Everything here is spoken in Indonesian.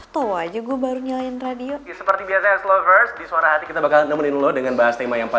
tuh ada yang tau nggak